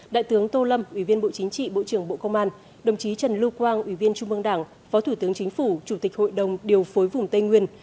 đại tướng tô lâm ủy viên bộ chính trị bộ trưởng bộ công an đồng chí trần lưu quang ủy viên trung mương đảng phó thủ tướng chính phủ chủ tịch hội đồng điều phối vùng tây nguyên